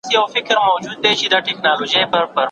استازو ته باید د دندو په اړه لارښووني وشي.